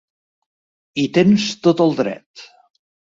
Hi tens tot el dret.